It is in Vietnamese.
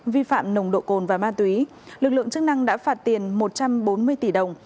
vi phạm nồng độ cồn và ma túy lực lượng chức năng đã phạt tiền một trăm bốn mươi tỷ đồng